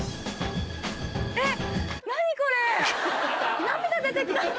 えっ。